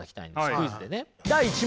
クイズでね。